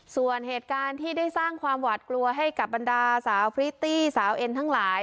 ส่วนเหตุการณ์ที่ได้สร้างความหวาดกลัวให้กับบรรดาสาวพริตตี้สาวเอ็นทั้งหลาย